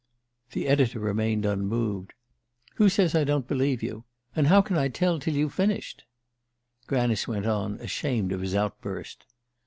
The editor remained unmoved. "Who says I don't believe you? And how can I tell till you've finished?" Granice went on, ashamed of his outburst.